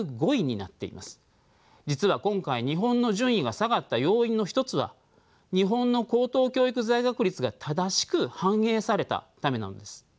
実は今回日本の順位が下がった要因の一つは日本の高等教育在学率が正しく反映されたためなのです。